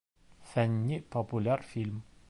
Фәнни-популяр фильм